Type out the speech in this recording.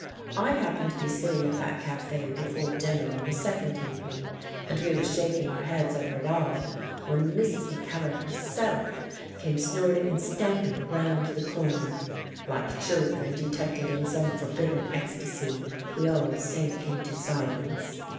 I happened to be sitting at that cafe" before dinner on the second evening, and we were shaking our heads over it all when Mrs. Mackellar herself came snorting and stamping round the corner. Like children detected in some forbidden ecstasy, we all sank into silence.